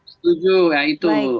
setuju ya itu